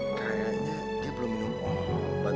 kayaknya dia belum minum obat